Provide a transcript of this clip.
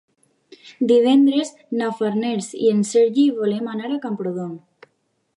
Divendres na Farners i en Sergi volen anar a Camprodon.